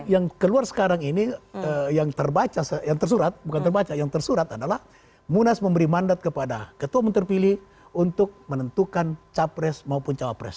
yang keluar sekarang ini yang tersurat adalah munas memberi mandat kepada ketua umum terpilih untuk menentukan capres maupun cawapres